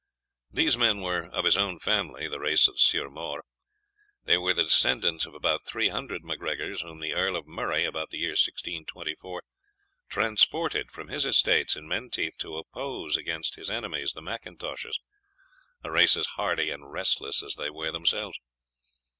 These men were of his own family (the race of the Ciar Mhor). They were the descendants of about three hundred MacGregors whom the Earl of Murray, about the year 1624, transported from his estates in Menteith to oppose against his enemies the MacIntoshes, a race as hardy and restless as they were themselves.